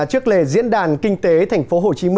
trước lề diễn đàn kinh tế tp hcm